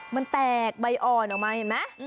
มันแตกใบอ่อนออกมาเห็นไหม